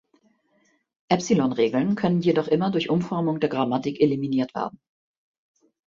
Epsilon-Regeln können jedoch immer durch Umformung der Grammatik eliminiert werden.